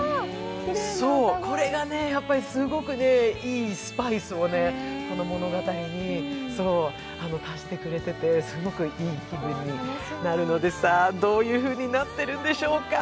これがすごくいいスパイスを、この物語に足してくれていて、すごくいい気分になるので、どういうふうになっているんでしょうか。